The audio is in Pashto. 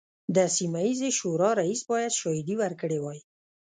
د سیمه ییزې شورا رییس باید شاهدې ورکړي وای.